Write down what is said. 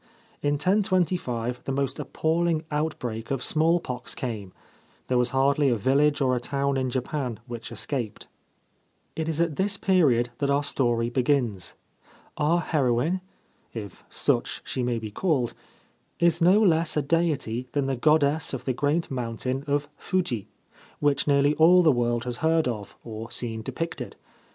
In 1025 the most appalling outbreak of smallpox came ; there was hardly a village or a town in Japan which escaped. 189 Ancient Tales and Folklore of Japan It is at this period that our story begins. Our heroine (if such she may be called) is no less a deity than the goddess of the great mountain of Fuji, which nearly all the world has heard of, or seen depicted.